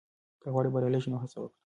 که غواړې بریالی شې، نو هڅه وکړه.